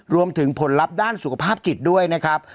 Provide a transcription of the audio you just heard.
ผลลัพธ์ด้านสุขภาพจิตด้วยนะครับ